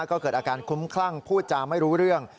ก็เกิดอาการคุ้มคลั่งพูดจาไม่รู้เรื่อง